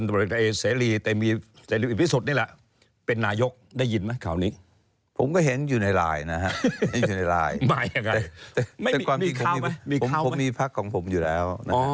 ไม่รายแต่ความจริงผมมีภาคของผมอยู่แล้ว